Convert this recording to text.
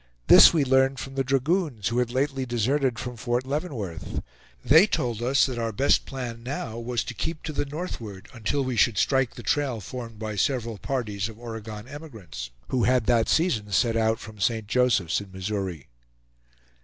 This we learned from the dragoons, who had lately deserted from Fort Leavenworth. They told us that our best plan now was to keep to the northward until we should strike the trail formed by several parties of Oregon emigrants, who had that season set out from St. Joseph's in Missouri.